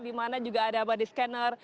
di mana juga ada abody scanner